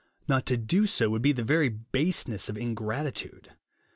Not to do so, would be the very baseness of in gratitude.